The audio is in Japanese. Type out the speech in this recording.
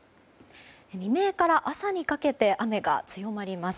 未明から朝にかけて雨が強まります。